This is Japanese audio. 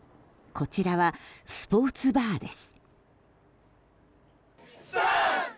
こちらは、スポーツバーです。